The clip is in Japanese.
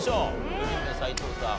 ４人目斎藤さん